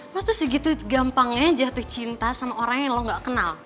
lo tuh segitu gampangnya jatuh cinta sama orang yang lo gak kenal